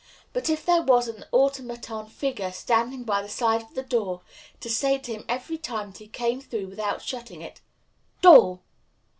But if there were an automaton figure standing by the side of the door, to say to him every time that he came through without shutting it, Door!